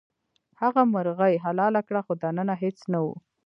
هغه مرغۍ حلاله کړه خو دننه هیڅ نه وو.